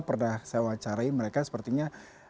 pernah saya wawancarai mereka sepertinya